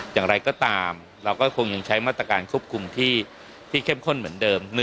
อย่างไรก็ตามเราก็คงยังใช้มาตรการควบคุมที่เข้มข้นเหมือนเดิม